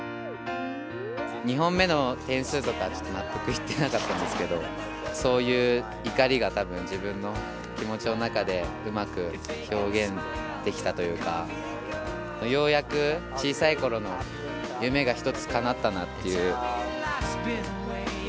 ２本目の点数とか納得いってなかったんですけどそういう怒りが多分自分の気持ちの中でうまく表現できたというかようやく小さいころの夢が一つかなったなっていう。